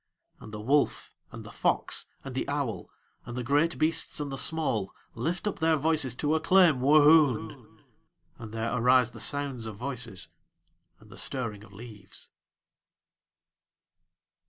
And the wolf and the fox and the owl, and the great beasts and the small, lift up their voices to acclaim Wohoon. And there arise the sounds of voices and the stirring of leaves.